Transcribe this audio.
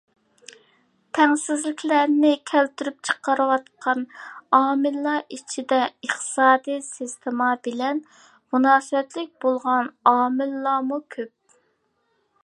تەڭسىزلىكلەرنى كەلتۈرۈپ چىقىرىۋاتقان ئامىللار ئىچىدە ئىقتىسادىي سىستېما بىلەن مۇناسىۋەتلىك بولغان ئامىللارمۇ كۆپ.